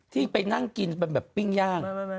ที่ไปนั่งกินแบบปิ่งย่าง